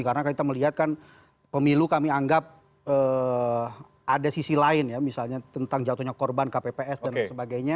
karena kita melihat kan pemilu kami anggap ada sisi lain ya misalnya tentang jatuhnya korban kpps dan sebagainya